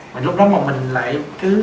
mà lúc đó mà mình lại cứ